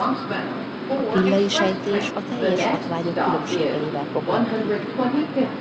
A Pillai-sejtés a teljes hatványok különbségeivel foglalkozik.